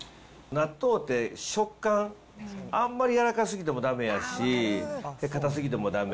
納豆って、食感、あんまりやらかすぎてもだめやし、かたすぎてもだめ。